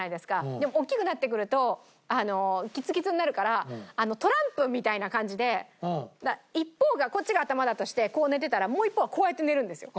でも大きくなってくるとキツキツになるからトランプみたいな感じで一方がこっちが頭だとしてこう寝てたらもう一方はこうやって寝るんですよ。